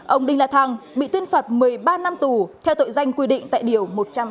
ông đinh la thăng bị tuyên phạt một mươi ba năm tù theo tội danh quy định tại điều một trăm sáu mươi